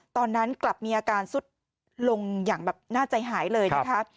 ตอนนั้นกลับมีอาการสุดลงอย่างแบบน่าใจหายเลยนะคะ